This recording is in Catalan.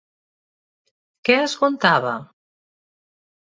¿Què es contava?